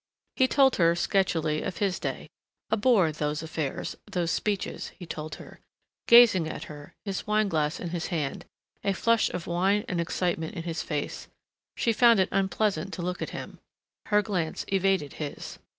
He told her, sketchily, of his day. A bore, those affairs, those speeches, he told her, gazing at her, his wine glass in his hand, a flush of wine and excitement in his face. She found it unpleasant to look at him. Her glance evaded his.